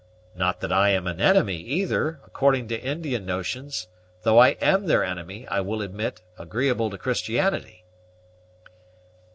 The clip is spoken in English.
Not that I am an enemy, either, according to Indian notions; though I am their enemy, I will admit, agreeable to Christianity."